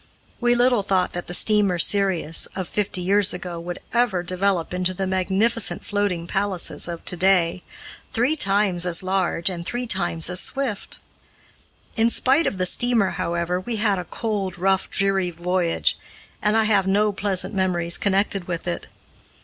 We little thought that the steamer Sirius of fifty years ago would ever develop into the magnificent floating palaces of to day three times as large and three times as swift. In spite of the steamer, however, we had a cold, rough, dreary voyage, and I have no pleasant memories connected with it.